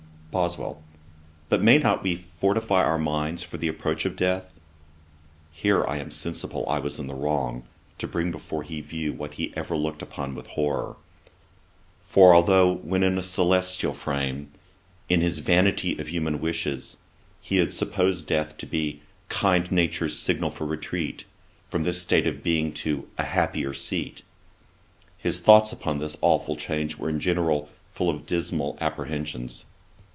BOSWELL: 'But may we not fortify our minds for the approach of death?' Here I am sensible I was in the wrong, to bring before his view what he ever looked upon with horrour; for although when in a celestial frame, in his Vanity of human wishes, he has supposed death to be 'kind Nature's signal for retreat,' from this state of being to 'a happier seat,' his thoughts upon this aweful change were in general full of dismal apprehensions.